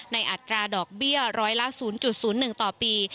อัตราดอกเบี้ยร้อยละ๐๐๑ต่อปี